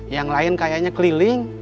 yang lain kayaknya keliling